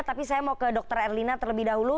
tapi saya mau ke dr erlina terlebih dahulu